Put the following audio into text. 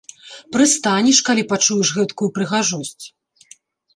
Прыстанеш, калі пачуеш гэткую прыгожасць.